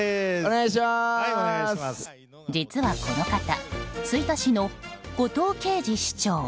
実は、この方吹田市の後藤圭二市長。